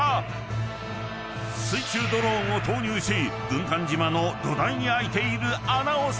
［水中ドローンを投入し軍艦島の土台に開いている穴を撮影］